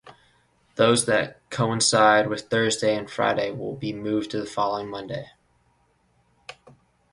Those that coincide with Thursday and Friday will be moved to the following Monday.